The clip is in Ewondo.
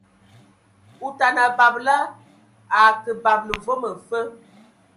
Otana, babela a a akǝ babǝla vom mfǝ.